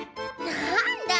なんだ。